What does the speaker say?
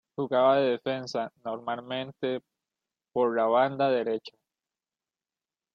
Jugaba de defensa, normalmente por la banda derecha.